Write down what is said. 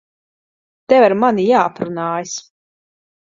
Tev ar mani jāaprunājas.